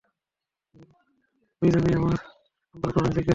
দুইজনেই আমার সম্পর্কে তোমাকে কিছু জিজ্ঞেস করবে।